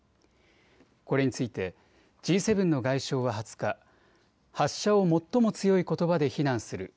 これについてＧ７の外相は２０日、発射を最も強いことばで非難する。